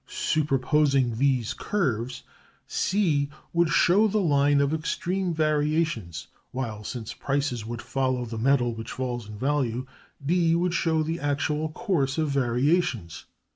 Superposing these curves, C would show the line of extreme variations, while since prices would follow the metal which falls in value, D would show the actual course of variations.